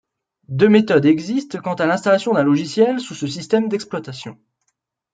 Deux méthodes existent quant à l'installation d'un logiciel sous ce système d'exploitation.